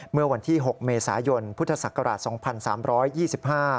เมื่อวันที่๖เมษายนพุทธศักราช๒๓๒๕